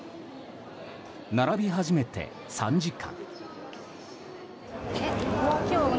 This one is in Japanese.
並び始めて３時間。